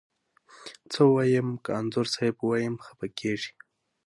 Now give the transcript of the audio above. څه ووایم، که انځور صاحب ووایم خپه کږې.